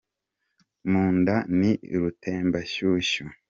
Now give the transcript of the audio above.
Mu nda ni urutembanshyushyu